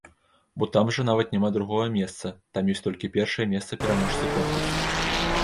Бо там жа нават няма другога месца, там ёсць толькі першае месца пераможцы конкурсу.